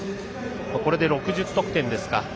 これで６０得点ですか。